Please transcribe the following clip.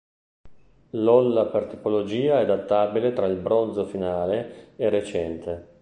L'olla per tipologia è databile tra il bronzo finale e recente.